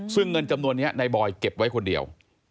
ซึ่งเงินจำนวนนี้นายบอยเก็บไว้คนเดียว